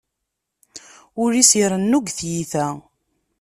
Ul-is irennu deg tyita.